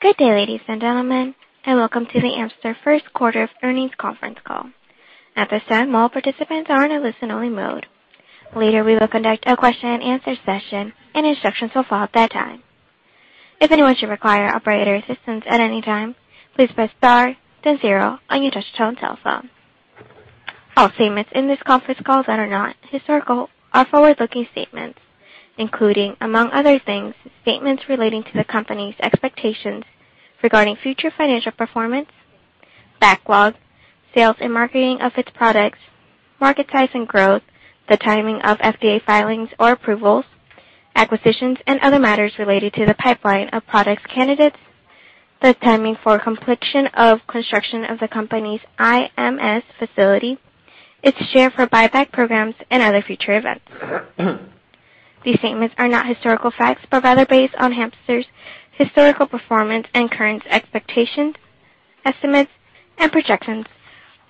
Good day, ladies and gentlemen, and welcome to the Amphastar Q1 earnings conference call. At this time, all participants are in a listen-only mode. Later, we will conduct a question-and-answer session, and instructions will follow at that time. If anyone should require a break or assistance at any time, please press star, then zero on your touch-tone telephone. All statements in this conference call, that are not historical, are forward-looking statements, including, among other things, statements relating to the company's expectations regarding future financial performance, backlog, sales and marketing of its products, market size and growth, the timing of FDA filings or approvals, acquisitions, and other matters related to the pipeline of product candidates, the timing for completion of construction of the company's IMS facility, its share buyback programs, and other future events. These statements are not historical facts but rather based on Amphastar's historical performance and current expectations, estimates, and projections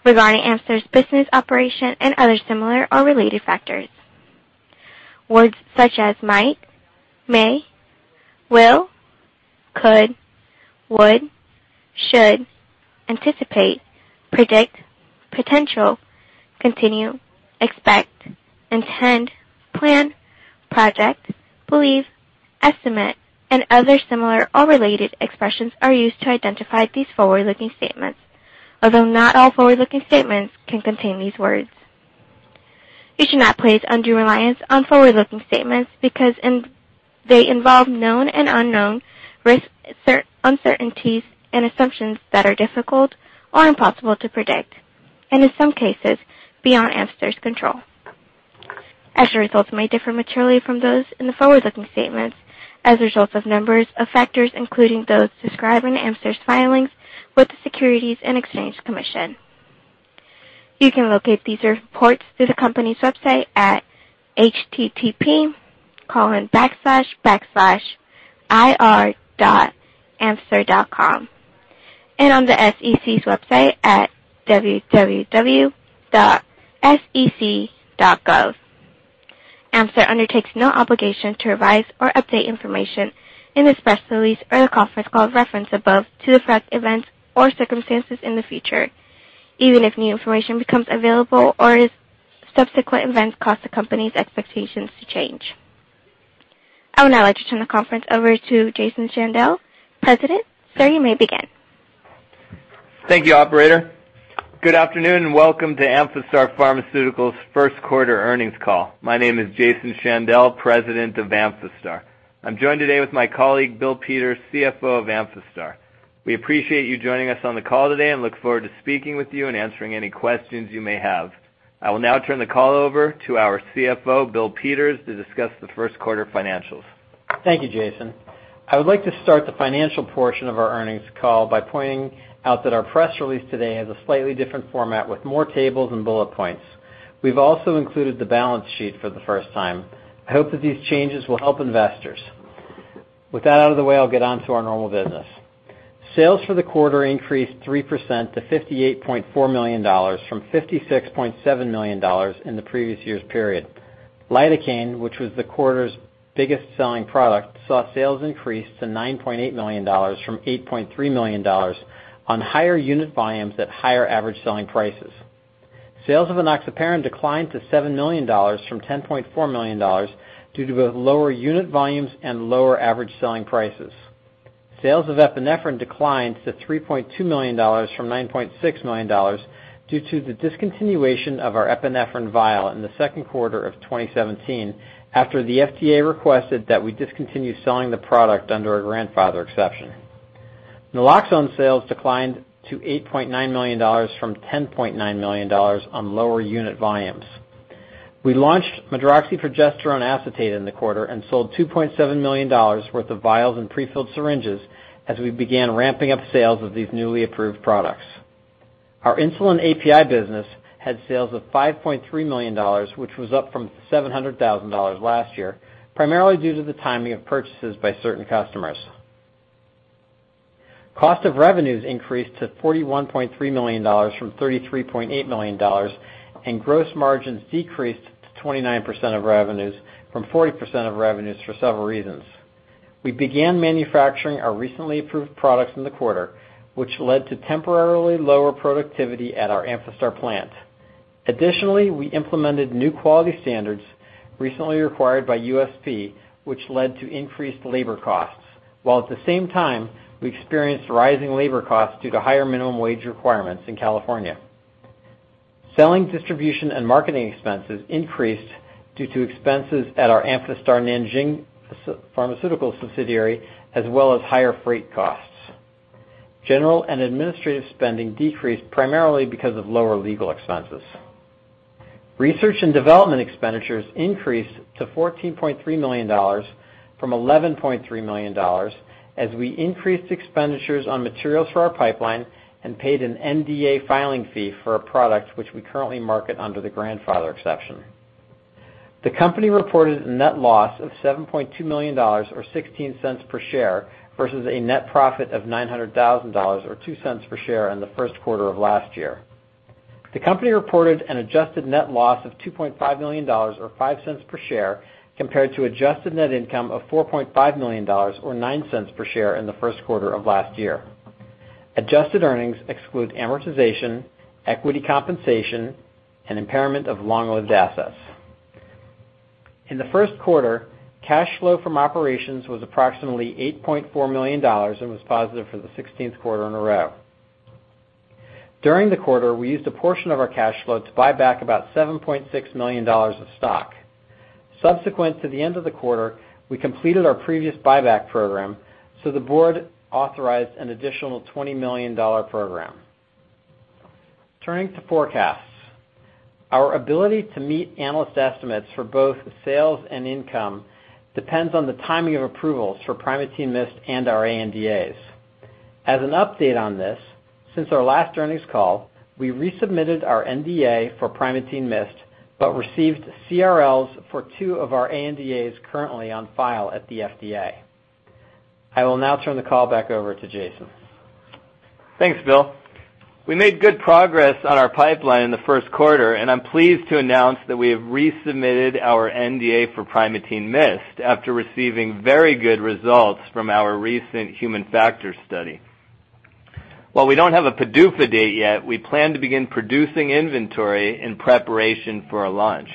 regarding Amphastar's business operation and other similar or related factors. Words such as might, may, will, could, would, should, anticipate, predict, potential, continue, expect, intend, plan, project, believe, estimate, and other similar or related expressions are used to identify these forward-looking statements, although not all forward-looking statements can contain these words. You should not place undue reliance on forward-looking statements because they involve known and unknown uncertainties and assumptions that are difficult or impossible to predict, and in some cases, beyond Amphastar's control. As a result, they may differ materially from those in the forward-looking statements as a result of numbers of factors, including those described in Amphastar's filings with the Securities and Exchange Commission. You can locate these reports through the company's website at https://ir.amphastar.com and on the SEC's website at www.sec.gov. Amphastar undertakes no obligation to revise or update information in this press release or the conference call referenced above to affect events or circumstances in the future, even if new information becomes available or if subsequent events cause the company's expectations to change. I would now like to turn the conference over to Jason Shandell, President. Sir, you may begin. Thank you, Operator. Good afternoon and welcome to Amphastar Pharmaceuticals' Q1 Earnings Call. My name is Jason Shandell, President of Amphastar. I'm joined today with my colleague, Bill Peters, CFO of Amphastar. We appreciate you joining us on the call today and look forward to speaking with you and answering any questions you may have. I will now turn the call over to our CFO, Bill Peters, to discuss the Q1 financials. Thank you, Jason. I would like to start the financial portion of our earnings call by pointing out that our press release today has a slightly different format with more tables and bullet points. We've also included the balance sheet for the first time. I hope that these changes will help investors. With that out of the way, I'll get on to our normal business. Sales for the quarter increased 3% to $58.4 million from $56.7 million in the previous year's period. Lidocaine, which was the quarter's biggest selling product, saw sales increase to $9.8 million from $8.3 million on higher unit volumes at higher average selling prices. Sales of enoxaparin declined to $7 million from $10.4 million due to both lower unit volumes and lower average selling prices. Sales of epinephrine declined to $3.2 million from $9.6 million due to the discontinuation of our epinephrine vial in the Q2 of 2017 after the FDA requested that we discontinue selling the product under a grandfather exception. Naloxone sales declined to $8.9 million from $10.9 million on lower unit volumes. We launched medroxyprogesterone acetate in the quarter and sold $2.7 million worth of vials and prefilled syringes as we began ramping up sales of these newly approved products. Our insulin API business had sales of $5.3 million, which was up from $700,000 last year, primarily due to the timing of purchases by certain customers. Cost of revenues increased to $41.3 million from $33.8 million, and gross margins decreased to 29% of revenues from 40% of revenues for several reasons. We began manufacturing our recently approved products in the quarter, which led to temporarily lower productivity at our Amphastar plant. Additionally, we implemented new quality standards recently required by USP, which led to increased labor costs, while at the same time, we experienced rising labor costs due to higher minimum wage requirements in California. Selling, distribution, and marketing expenses increased due to expenses at our Amphastar Nanjing pharmaceutical subsidiary, as well as higher freight costs. General and administrative spending decreased primarily because of lower legal expenses. Research and development expenditures increased to $14.3 million from $11.3 million as we increased expenditures on materials for our pipeline and paid an NDA filing fee for a product which we currently market under the grandfather exception. The company reported a net loss of $7.2 million or $0.16 per share versus a net profit of $900,000 or $0.02 per share in the Q1 of last year. The company reported an adjusted net loss of $2.5 million or $0.05 per share compared to adjusted net income of $4.5 million or $0.09 per share in the Q1 of last year. Adjusted earnings exclude amortization, equity compensation, and impairment of long-lived assets. In the Q1, cash flow from operations was approximately $8.4 million and was positive for the 16th quarter in a row. During the quarter, we used a portion of our cash flow to buy back about $7.6 million of stock. Subsequent to the end of the quarter, we completed our previous buyback program, so the board authorized an additional $20 million program. Turning to forecasts, our ability to meet analyst estimates for both sales and income depends on the timing of approvals for Primatene Mist and our ANDAs. As an update on this, since our last earnings call, we resubmitted our NDA for Primatene Mist but received CRLs for two of our ANDAs currently on file at the FDA. I will now turn the call back over to Jason. Thanks, Bill. We made good progress on our pipeline in the Q1, and I'm pleased to announce that we have resubmitted our NDA for Primatene Mist after receiving very good results from our recent human factors study. While we don't have a PDUFA date yet, we plan to begin producing inventory in preparation for a launch.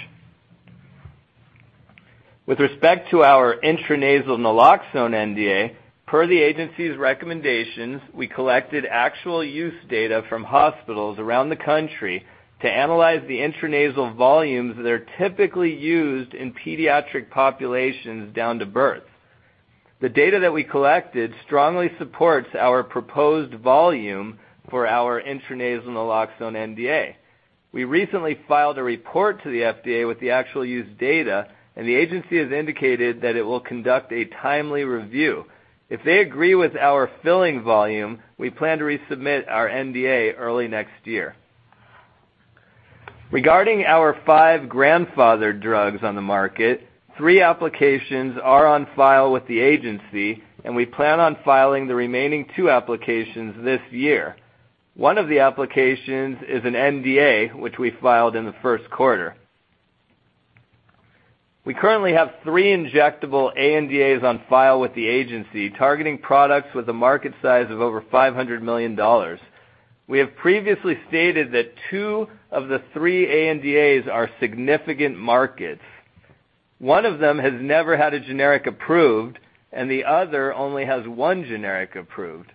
With respect to our intranasal naloxone NDA, per the agency's recommendations, we collected actual use data from hospitals around the country to analyze the intranasal volumes that are typically used in pediatric populations down to birth. The data that we collected strongly supports our proposed volume for our intranasal naloxone NDA. We recently filed a report to the FDA with the actual use data, and the agency has indicated that it will conduct a timely review. If they agree with our filing volume, we plan to resubmit our NDA early next year. Regarding our five grandfather drugs on the market, three applications are on file with the agency, and we plan on filing the remaining two applications this year. One of the applications is an NDA, which we filed in the Q1. We currently have three injectable ANDAs on file with the agency targeting products with a market size of over $500 million. We have previously stated that two of the three ANDAs are significant markets. One of them has never had a generic approved, and the other only has one generic approved.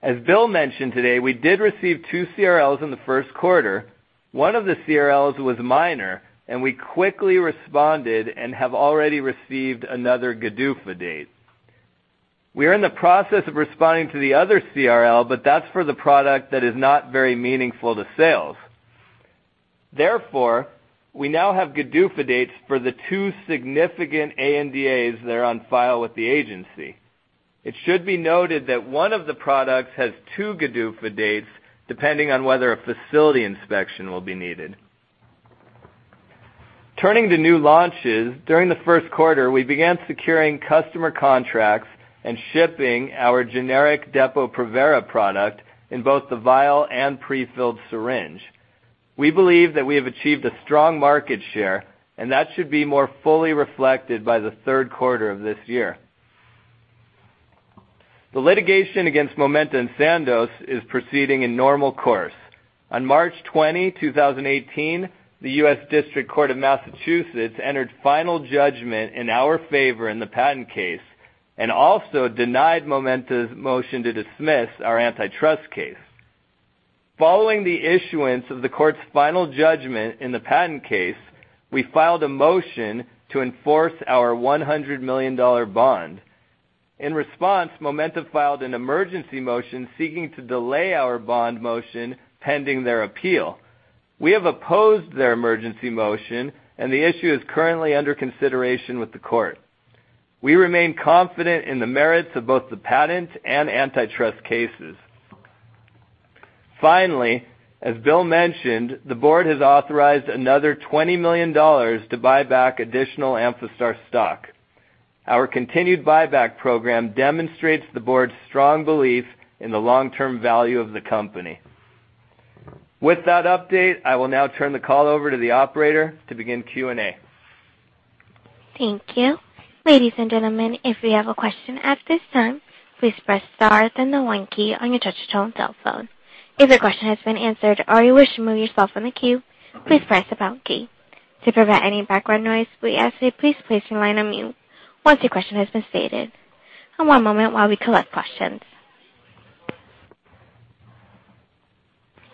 As Bill mentioned today, we did receive two CRLs in the Q1. One of the CRLs was minor, and we quickly responded and have already received another GDUFA date. We are in the process of responding to the other CRL, but that's for the product that is not very meaningful to sales. Therefore, we now have GDUFA dates for the two significant ANDAs that are on file with the agency. It should be noted that one of the products has two GDUFA dates depending on whether a facility inspection will be needed. Turning to new launches, during the Q1, we began securing customer contracts and shipping our generic Depo-Provera product in both the vial and prefilled syringe. We believe that we have achieved a strong market share, and that should be more fully reflected by the Q3 of this year. The litigation against Momenta and Sandoz is proceeding in normal course. On March 20, 2018, the U.S. District Court for the District of Massachusetts entered final judgment in our favor in the patent case and also denied Momenta's motion to dismiss our antitrust case. Following the issuance of the court's final judgment in the patent case, we filed a motion to enforce our $100 million bond. In response, Momenta filed an emergency motion seeking to delay our bond motion pending their appeal. We have opposed their emergency motion, and the issue is currently under consideration with the court. We remain confident in the merits of both the patent and antitrust cases. Finally, as Bill mentioned, the board has authorized another $20 million to buy back additional Amphastar stock. Our continued buyback program demonstrates the board's strong belief in the long-term value of the company. With that update, I will now turn the call over to the Operator to begin Q&A. Thank you. Ladies and gentlemen, if you have a question at this time, please press star then the one key on your touch-tone cell phone. If your question has been answered or you wish to move yourself on the queue, please press the pound key. To prevent any background noise, we ask that you please place your line on mute once your question has been stated. One moment while we collect questions,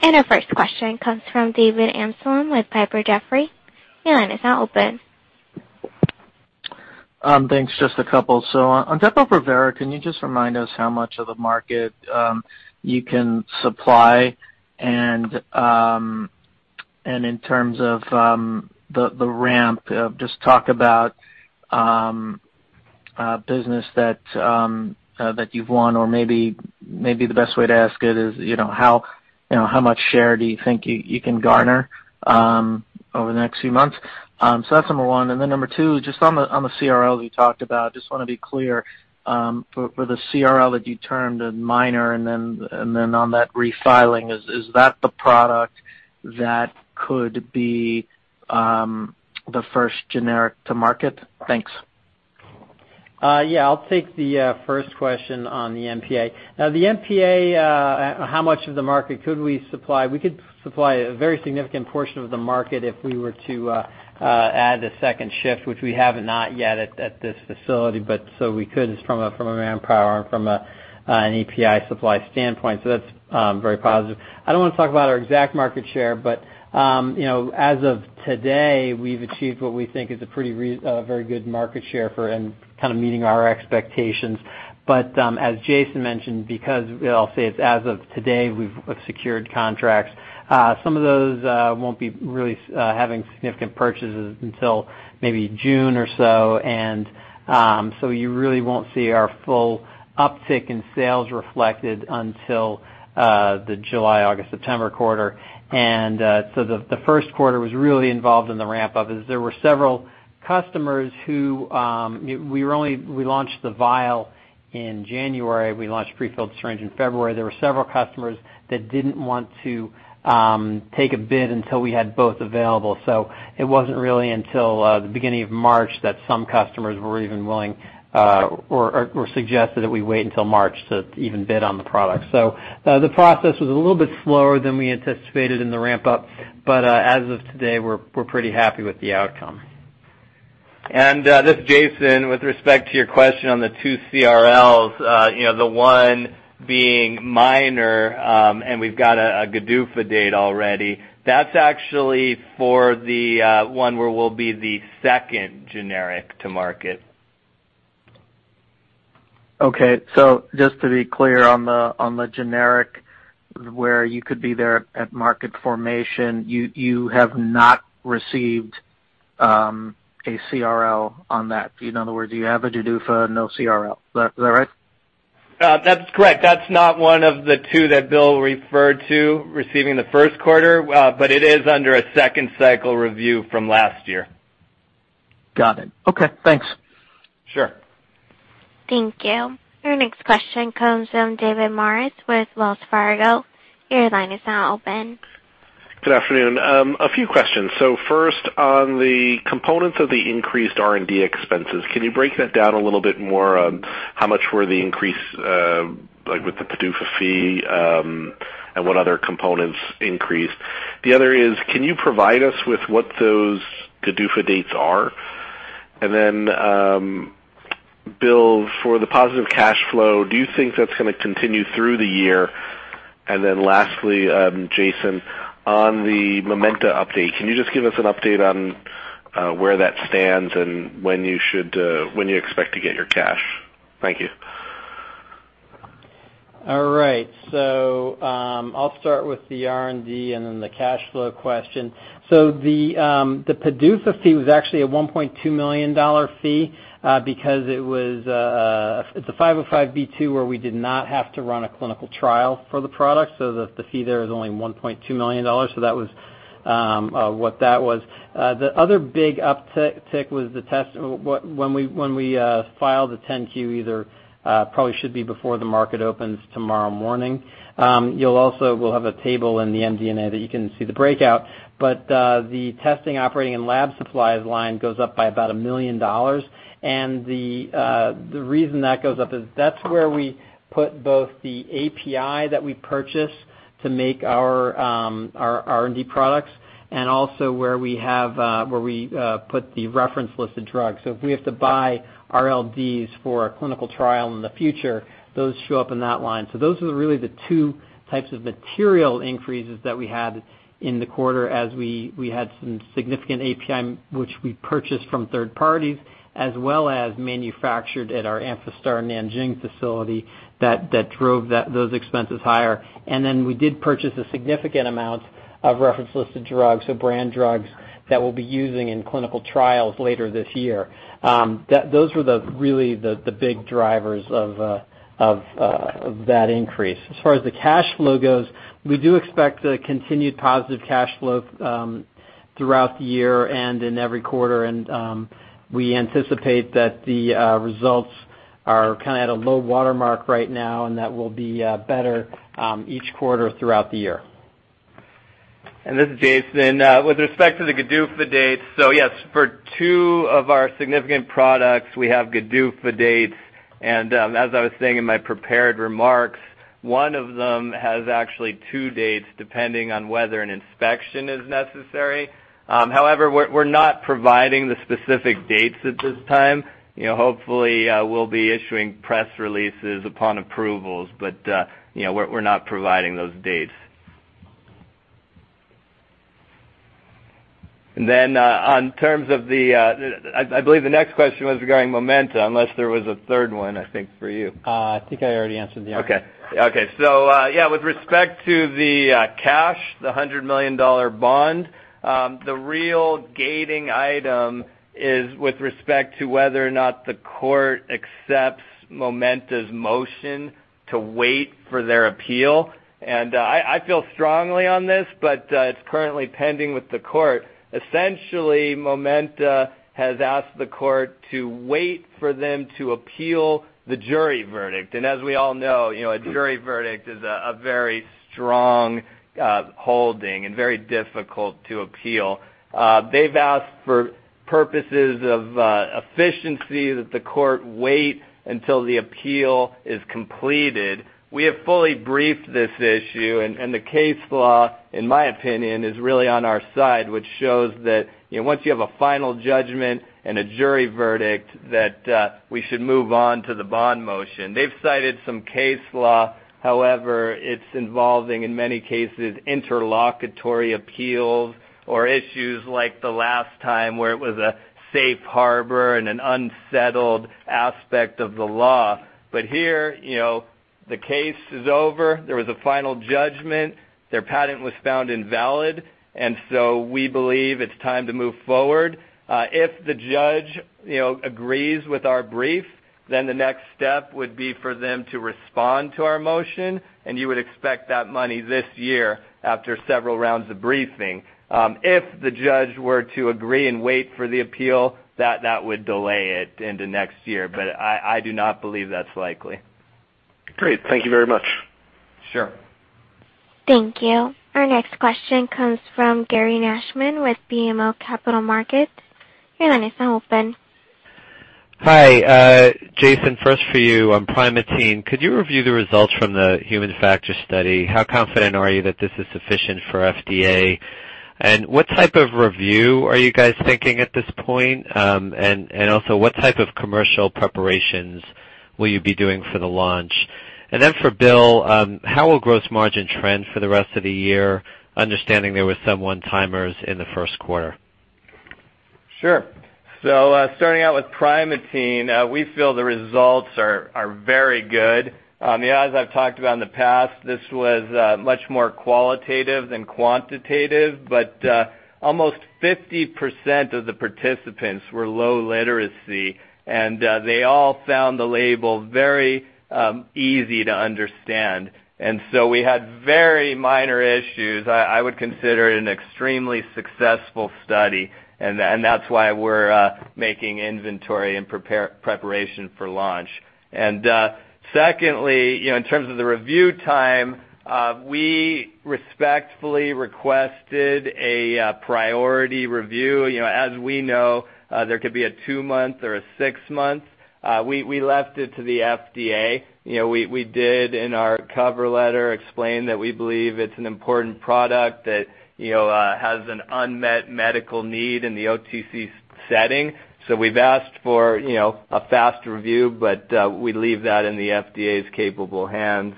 and our first question comes from David Amsellem with Piper Jaffray. Your line is now open. Thanks. Just a couple. So on Depo-Provera, can you just remind us how much of the market you can supply? And in terms of the ramp, just talk about business that you've won. Or maybe the best way to ask it is how much share do you think you can garner over the next few months? So that's number one. And then number two, just on the CRLs you talked about, just want to be clear. For the CRL that you termed a minor and then on that refiling, is that the product that could be the first generic to market? Thanks. Yeah. I'll take the first question on the MPA. Now, the MPA, how much of the market could we supply? We could supply a very significant portion of the market if we were to add a second shift, which we have not yet at this facility. But so we could from a manpower and from an EPI supply standpoint. So that's very positive. I don't want to talk about our exact market share, but as of today, we've achieved what we think is a pretty very good market share and kind of meeting our expectations. But as Jason mentioned, because I'll say it's as of today, we've secured contracts. Some of those won't be really having significant purchases until maybe June or so. And so you really won't see our full uptick in sales reflected until the July, August, September quarter. And so the Q1 was really involved in the ramp-up. There were several customers who we launched the vial in January. We launched prefilled syringe in February. There were several customers that didn't want to take a bid until we had both available. So it wasn't really until the beginning of March that some customers were even willing or suggested that we wait until March to even bid on the product. So the process was a little bit slower than we anticipated in the ramp-up, but as of today, we're pretty happy with the outcome. And this is Jason. With respect to your question on the two CRLs, the one being minor, and we've got a GDUFA date already, that's actually for the one where we'll be the second generic to market. Okay. So just to be clear on the generic where you could be there at market formation, you have not received a CRL on that. In other words, you have a GDUFA and no CRL. Is that right? That's correct. That's not one of the two that Bill referred to receiving in the Q1, but it is under a second cycle review from last year. Got it. Okay. Thanks. Sure. Thank you. Our next question comes from David Maris with Wells Fargo. Your line is now open. Good afternoon. A few questions. So first, on the components of the increased R&D expenses, can you break that down a little bit more? How much were the increase with the PDUFA fee and what other components increased? The other is, can you provide us with what those GDUFA dates are? And then, Bill, for the positive cash flow, do you think that's going to continue through the year? And then lastly, Jason, on the Momenta update, can you just give us an update on where that stands and when you expect to get your cash? Thank you. All right. So I'll start with the R&D and then the cash flow question. So the PDUFA fee was actually a $1.2 million fee because it's a 505(b)(2) where we did not have to run a clinical trial for the product. So the fee there is only $1.2 million. So that was what that was. The other big uptick was the testing when we filed the 10-Q, which probably should be before the market opens tomorrow morning. You'll also have a table in the MD&A that you can see the breakout. But the testing, operating, and lab supplies line goes up by about $1 million. And the reason that goes up is that's where we put both the API that we purchase to make our R&D products and also where we put the reference listed drugs. So if we have to buy RLDs for a clinical trial in the future, those show up in that line. So those are really the two types of material increases that we had in the quarter as we had some significant API, which we purchased from third parties as well as manufactured at our Amphastar Nanjing facility that drove those expenses higher. And then we did purchase a significant amount of reference listed drugs, so brand drugs that we'll be using in clinical trials later this year. Those were really the big drivers of that increase. As far as the cash flow goes, we do expect continued positive cash flow throughout the year and in every quarter. And we anticipate that the results are kind of at a low watermark right now and that will be better each quarter throughout the year. And this is Jason. With respect to the GDUFA dates, so yes, for two of our significant products, we have GDUFA dates. And as I was saying in my prepared remarks, one of them has actually two dates depending on whether an inspection is necessary. However, we're not providing the specific dates at this time. Hopefully, we'll be issuing press releases upon approvals, but we're not providing those dates. And then in terms of the, I believe, the next question was regarding Momenta, unless there was a third one, I think, for you. I think I already answered the answer. Okay. Okay. So yeah, with respect to the cash, the $100 million bond, the real gating item is with respect to whether or not the court accepts Momenta's motion to wait for their appeal. And I feel strongly on this, but it's currently pending with the court. Essentially, Momenta has asked the court to wait for them to appeal the jury verdict. And as we all know, a jury verdict is a very strong holding and very difficult to appeal. They've asked for purposes of efficiency that the court wait until the appeal is completed. We have fully briefed this issue, and the case law, in my opinion, is really on our side, which shows that once you have a final judgment and a jury verdict, that we should move on to the bond motion. They've cited some case law. However, it's involving, in many cases, interlocutory appeals or issues like the last time where it was a safe harbor and an unsettled aspect of the law. But here, the case is over. There was a final judgment. Their patent was found invalid. And so we believe it's time to move forward. If the judge agrees with our brief, then the next step would be for them to respond to our motion. And you would expect that money this year after several rounds of briefing. If the judge were to agree and wait for the appeal, that would delay it into next year. But I do not believe that's likely. Great. Thank you very much. Sure. Thank you. Our next question comes from Gary Nachman with BMO Capital Markets. Your line is now open. Hi. Jason, first for you on Primatene. Could you review the results from the human factors study? How confident are you that this is sufficient for FDA? And what type of review are you guys thinking at this point? And also, what type of commercial preparations will you be doing for the launch? And then for Bill, how will gross margin trend for the rest of the year, understanding there were some one-timers in the Q1? Sure. So starting out with Primatene, we feel the results are very good. As I've talked about in the past, this was much more qualitative than quantitative. But almost 50% of the participants were low literacy, and they all found the label very easy to understand. And so we had very minor issues. I would consider it an extremely successful study, and that's why we're making inventory and preparation for launch. And secondly, in terms of the review time, we respectfully requested a priority review. As we know, there could be a two-month or a six-month. We left it to the FDA. We did, in our cover letter, explain that we believe it's an important product that has an unmet medical need in the OTC setting. So we've asked for a fast review, but we leave that in the FDA's capable hands.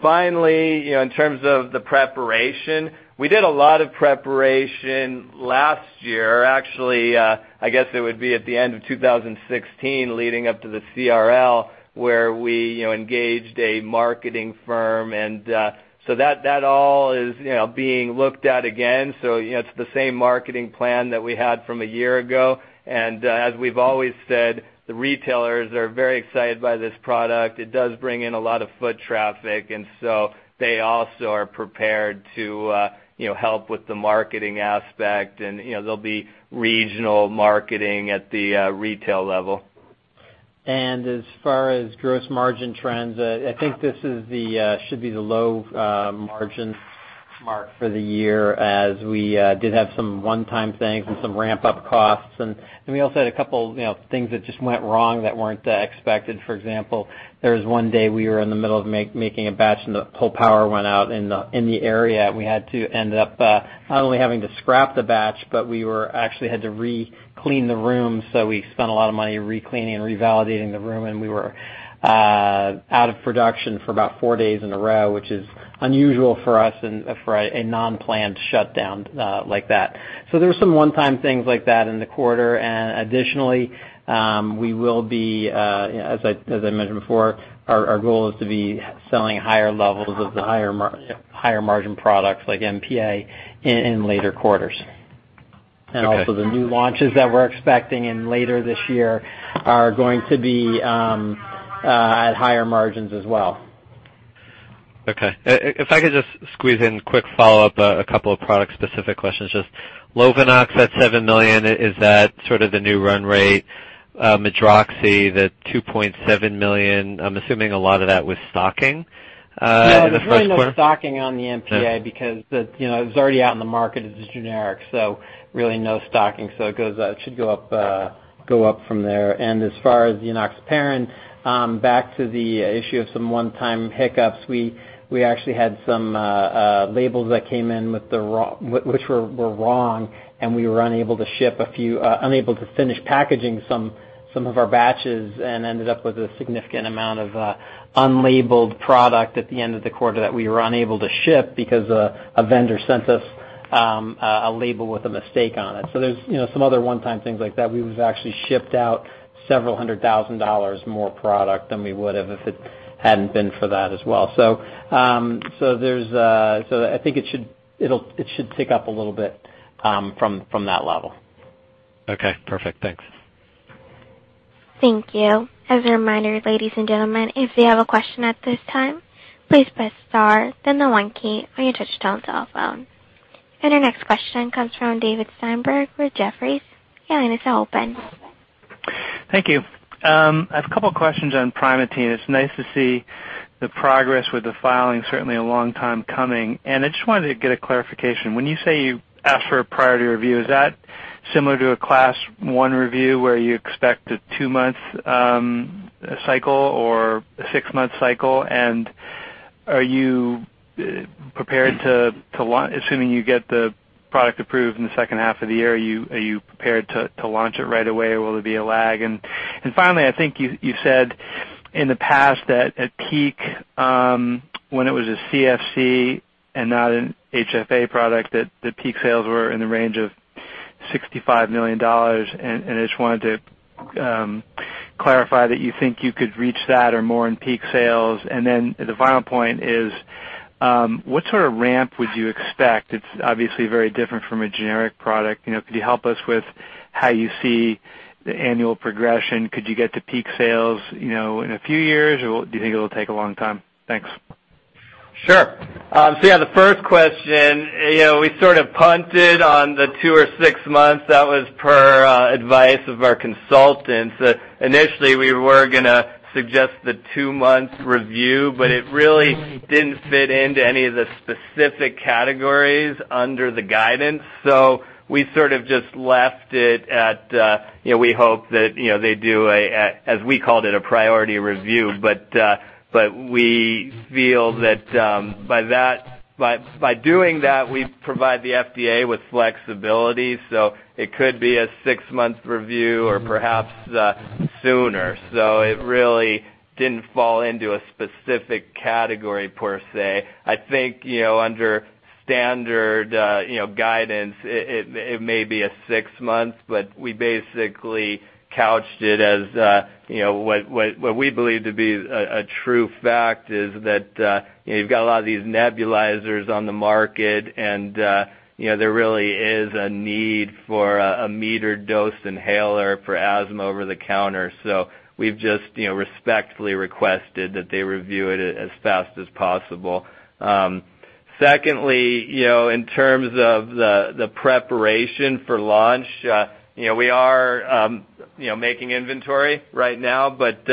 Finally, in terms of the preparation, we did a lot of preparation last year. Actually, I guess it would be at the end of 2016 leading up to the CRL where we engaged a marketing firm. That all is being looked at again. It's the same marketing plan that we had from a year ago. As we've always said, the retailers are very excited by this product. It does bring in a lot of foot traffic, and so they also are prepared to help with the marketing aspect. There'll be regional marketing at the retail level. And as far as gross margin trends, I think this should be the low margin mark for the year as we did have some one-time things and some ramp-up costs. And we also had a couple of things that just went wrong that weren't expected. For example, there was one day we were in the middle of making a batch, and the whole power went out in the area. We had to end up not only having to scrap the batch, but we actually had to reclean the room. So we spent a lot of money recleaning and revalidating the room, and we were out of production for about four days in a row, which is unusual for us and for a non-planned shutdown like that. So there were some one-time things like that in the quarter. Additionally, we will be, as I mentioned before, our goal is to be selling higher levels of the higher margin products like MPA in later quarters. Also, the new launches that we're expecting in later this year are going to be at higher margins as well. Okay. If I could just squeeze in quick follow-up, a couple of product-specific questions. Just Lovenox at $7 million, is that sort of the new run rate? Medroxy, the $2.7 million, I'm assuming a lot of that was stocking in the Q1? Yeah. Really no stocking on the MPA because it was already out in the market as a generic. So really no stocking. So it should go up from there. And as far as the Enoxaparin, back to the issue of some one-time hiccups, we actually had some labels that came in which were wrong, and we were unable to ship a few, unable to finish packaging some of our batches and ended up with a significant amount of unlabeled product at the end of the quarter that we were unable to ship because a vendor sent us a label with a mistake on it. So there's some other one-time things like that. We've actually shipped out $several hundred thousand more product than we would have if it hadn't been for that as well. So I think it should tick up a little bit from that level. Okay. Perfect. Thanks. Thank you. As a reminder, ladies and gentlemen, if you have a question at this time, please press star, then the one key on your touch-tone cell phone. And our next question comes from David Steinberg with Jefferies. Your line is now open. Thank you. I have a couple of questions on Primatene. It's nice to see the progress with the filing, certainly a long time coming. And I just wanted to get a clarification. When you say you asked for a priority review, is that similar to a class one review where you expect a two-month cycle or a six-month cycle? And are you prepared, assuming you get the product approved in the second half of the year, to launch it right away, or will there be a lag? And finally, I think you said in the past that at peak, when it was a CFC and not an HFA product, that peak sales were in the range of $65 million. And I just wanted to clarify that you think you could reach that or more in peak sales. And then the final point is, what sort of ramp would you expect? It's obviously very different from a generic product. Could you help us with how you see the annual progression? Could you get to peak sales in a few years, or do you think it'll take a long time? Thanks. Sure. So yeah, the first question, we sort of punted on the two or six months. That was per advice of our consultants. Initially, we were going to suggest the two-month review, but it really didn't fit into any of the specific categories under the guidance. So we sort of just left it at we hope that they do, as we called it, a priority review. But we feel that by doing that, we provide the FDA with flexibility. So it could be a six-month review or perhaps sooner. So it really didn't fall into a specific category per se. I think under standard guidance, it may be six months, but we basically couched it as what we believe to be a true fact is that you've got a lot of these nebulizers on the market, and there really is a need for a metered dose inhaler for asthma over the counter. So we've just respectfully requested that they review it as fast as possible. Secondly, in terms of the preparation for launch, we are making inventory right now. But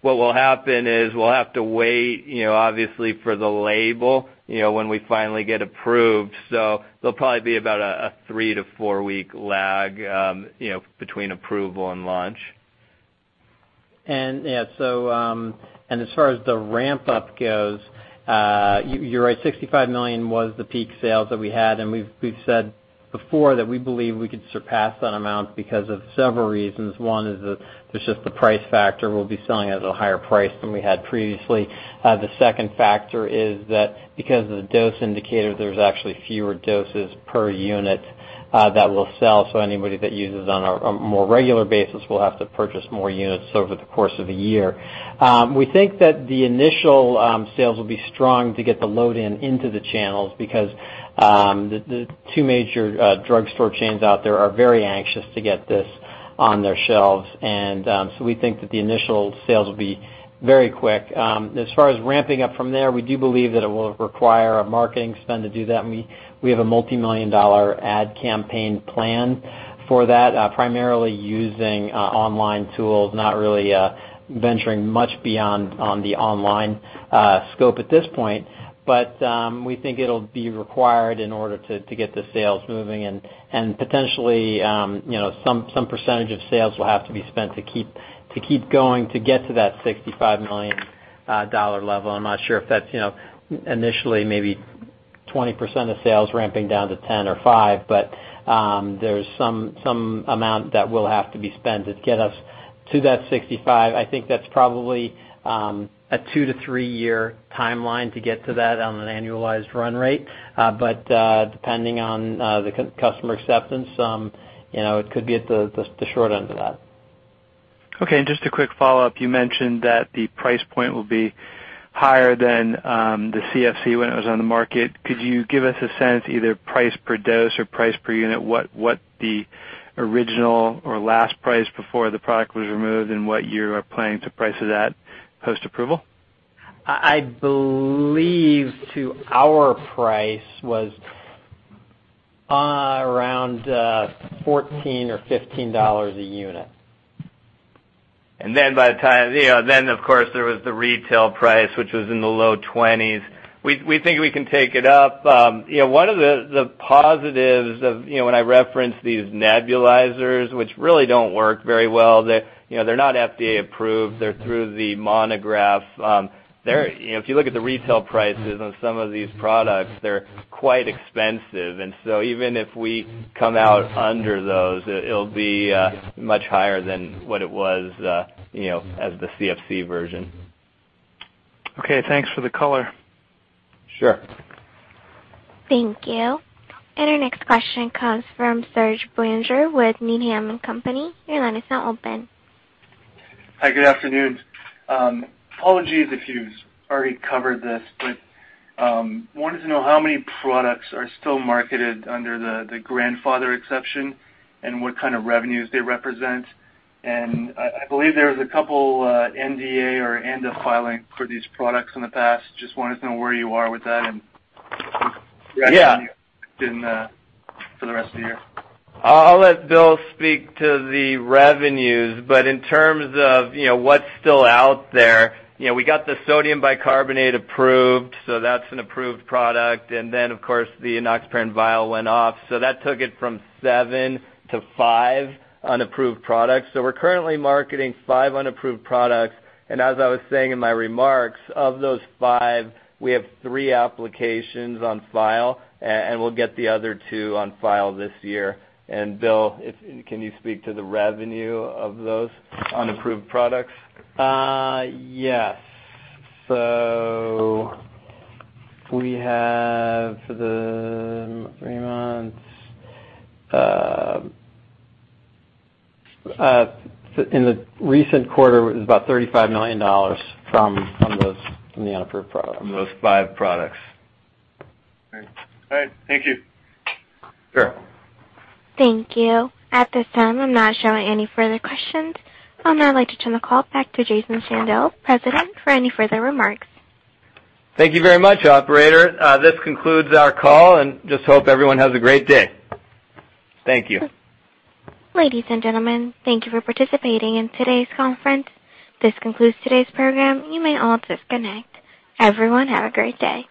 what will happen is we'll have to wait, obviously, for the label when we finally get approved. So there'll probably be about a three- to four-week lag between approval and launch. Yeah, so as far as the ramp-up goes, you're right. $65 million was the peak sales that we had. And we've said before that we believe we could surpass that amount because of several reasons. One is that there's just the price factor. We'll be selling at a higher price than we had previously. The second factor is that because of the dose indicator, there's actually fewer doses per unit that will sell. So anybody that uses on a more regular basis will have to purchase more units over the course of the year. We think that the initial sales will be strong to get the load in into the channels because the two major drugstore chains out there are very anxious to get this on their shelves. And so we think that the initial sales will be very quick. As far as ramping up from there, we do believe that it will require a marketing spend to do that. We have a multi-million-dollar ad campaign plan for that, primarily using online tools, not really venturing much beyond on the online scope at this point, but we think it'll be required in order to get the sales moving. And potentially, some percentage of sales will have to be spent to keep going to get to that $65 million level. I'm not sure if that's initially maybe 20% of sales ramping down to 10% or 5%, but there's some amount that will have to be spent to get us to that 65. I think that's probably a two- to three-year timeline to get to that on an annualized run rate, but depending on the customer acceptance, it could be at the short end of that. Okay. And just a quick follow-up. You mentioned that the price point will be higher than the CFC when it was on the market. Could you give us a sense, either price per dose or price per unit, what the original or last price before the product was removed and what you are planning to price it at post-approval? I believe that our price was around $14 or $15 a unit. And then by the time, of course, there was the retail price, which was in the low $20s. We think we can take it up. One of the positives of when I reference these nebulizers, which really don't work very well, they're not FDA approved. They're through the Monograph. If you look at the retail prices on some of these products, they're quite expensive. And so even if we come out under those, it'll be much higher than what it was as the CFC version. Okay. Thanks for the color. Sure. Thank you. And our next question comes from Serge Belanger with Needham & Company. Your line is now open. Hi. Good afternoon. Apologies if you've already covered this, but wanted to know how many products are still marketed under the grandfather exception and what kind of revenues they represent, and I believe there was a couple NDAs or ANDA filings for these products in the past. Just wanted to know where you are with that and revenue for the rest of the year? I'll let Bill speak to the revenues. But in terms of what's still out there, we got the Sodium bicarbonate approved, so that's an approved product. And then, of course, the Enoxaparin vial went off. So that took it from seven to five unapproved products. So we're currently marketing five unapproved products. And as I was saying in my remarks, of those five, we have three applications on file, and we'll get the other two on file this year. And Bill, can you speak to the revenue of those unapproved products? Yes, so we have the three months. In the recent quarter, it was about $35 million from the unapproved products. From those five products. All right. Thank you. Sure. Thank you. At this time, I'm not showing any further questions. I'd like to turn the call back to Jason Shandell, President, for any further remarks. Thank you very much, Operator. This concludes our call, and just hope everyone has a great day. Thank you. Ladies and gentlemen, thank you for participating in today's conference. This concludes today's program. You may all disconnect. Everyone, have a great day.